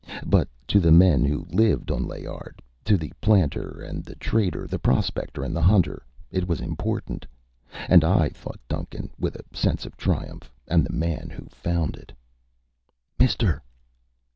But to the men who lived on Layard, to the planter and the trader, the prospector and the hunter, it was important. And I, thought Duncan with a sense of triumph, am the man who found it. "Mister!"